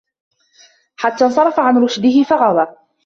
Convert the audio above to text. حَتَّى انْصَرَفَ عَنْ رُشْدِهِ فَغَوَى